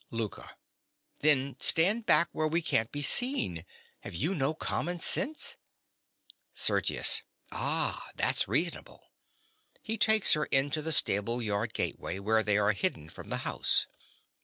LOUKA. Then stand back where we can't be seen. Have you no common sense? SERGIUS. Ah, that's reasonable. (_He takes her into the stableyard gateway, where they are hidden from the house.